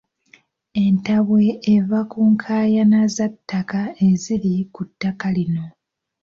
Entabwe eva ku nkaayana za ttaka eziri ku ttaka lino.